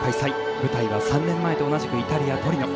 舞台は３年前と同じくイタリア・トリノ。